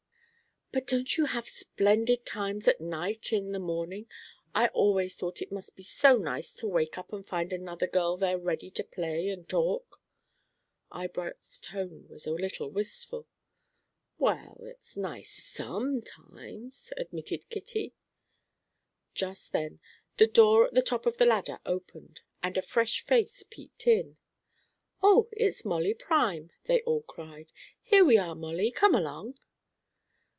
"But don't you have splendid times at night and in the morning? I always thought it must be so nice to wake up and find another girl there ready to play and talk." Eyebright's tone was a little wistful. "Well, it's nice sometimes," admitted Kitty. Just then the door at the top of the ladder opened, and a fresh face peeped in. "Oh, it's Molly Prime," they all cried. "Here we are, Molly, come along."